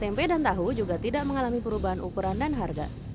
tempe dan tahu juga tidak mengalami perubahan ukuran dan harga